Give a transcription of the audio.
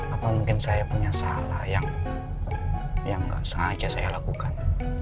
apa mungkin saya punya salah yang nggak sengaja saya lakukan